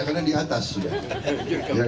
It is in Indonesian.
pak sby di atas situ kan ya